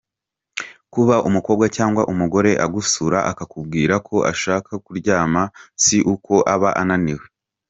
Kuba umukobwa cyangwa umugore agusura akakubwira ko ashaka kuryama si uko aba ananiwe.